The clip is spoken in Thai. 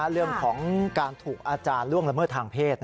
เรื่องของการถูกอาจารย์ล่วงละเมิดทางเพศ